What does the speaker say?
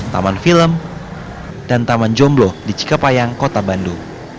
taman film dan taman jomblo di cikepayang kota bandung